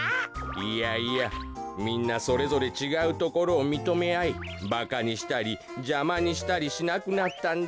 いやいやみんなそれぞれちがうところをみとめあいバカにしたりじゃまにしたりしなくなったんだ。